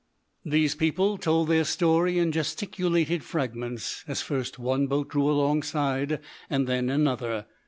These people told their story in gesticulated fragments, as first one boat drew alongside and then another.